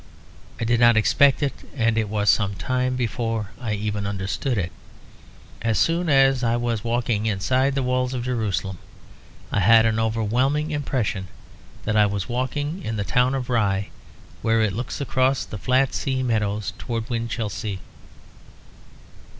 I did not expect it, and it was some time before I even understood it. As soon as I was walking inside the walls of Jerusalem, I had an overwhelming impression that I was walking in the town of Rye, where it looks across the flat sea meadows towards Winchelsea.